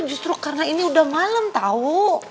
justru karena ini udah malem tau